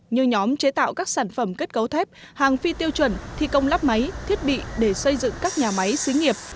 như nhóm chế tạo các sản phẩm kết cấu thép hàng phi tiêu chuẩn thi công lắp máy thiết bị để xây dựng các nhà máy xí nghiệp